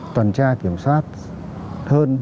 tuần tra kiểm soát hơn